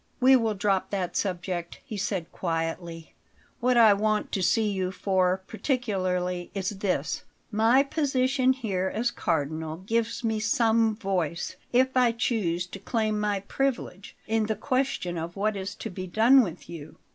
"We will drop that subject," he said quietly. "What I wanted to see you for particularly is this: My position here as Cardinal gives me some voice, if I choose to claim my privilege, in the question of what is to be done with you.